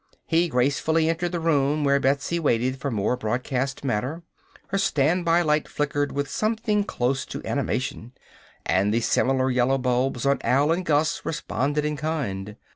He gracefully entered the room where Betsy waited for more broadcast matter. Her standby light flickered with something close to animation, and the similar yellow bulbs on Al and Gus responded in kind.